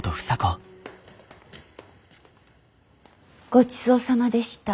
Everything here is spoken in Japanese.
ごちそうさまでした。